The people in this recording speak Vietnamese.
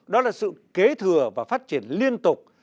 đó là sự kế thừa và phát triển liên tục